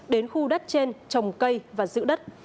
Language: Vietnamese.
đến khu đất trên trồng cây và giữ đất